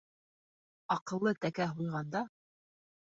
Аҡыллы тәкә һуйғанда